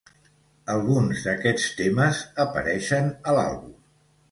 Alguns d'aquests temes apareixen a l'àlbum.